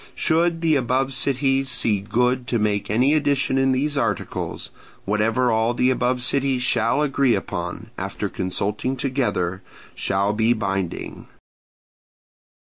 Should the above cities see good to make any addition in these articles, whatever all the above cities shall agree upon, after consulting together, shall be binding.